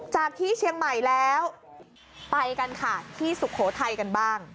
จากที่เชียงใหม่แล้วไปกันค่ะที่สุโขทัยกันบ้าง